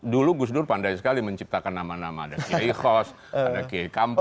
dulu gus dur pandai sekali menciptakan nama nama ada kiai hos ada kiai kampung